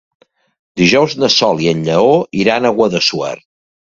Dijous na Sol i en Lleó iran a Guadassuar.